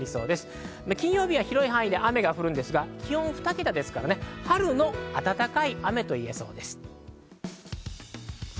金曜日は広い範囲で雨が降るんですが、春の暖かい雨といえそうです。